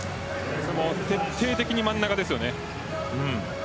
徹底的に真ん中ですよね。